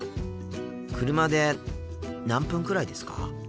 車で何分くらいですか？